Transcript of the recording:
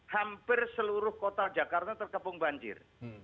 hampir seluruh kota jakarta terkepung banjir